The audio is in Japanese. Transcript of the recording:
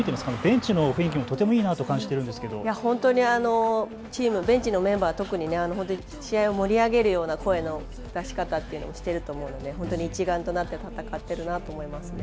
ベンチの雰囲気もいいと感じていますがベンチのメンバー、特に試合を盛り上げるような声の出し方というのもしていると思うので一丸となって戦っているなと思います。